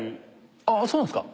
あっそうなんすか？